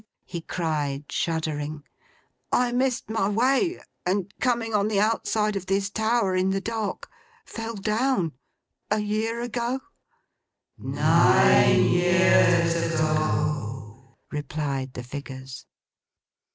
he cried, shuddering. 'I missed my way, and coming on the outside of this tower in the dark, fell down—a year ago?' 'Nine years ago!' replied the figures.